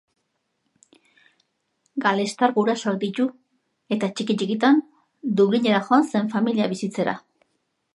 Galestar gurasoak ditu, eta txiki-txikitan Dublinera joan zen familia bizitzera.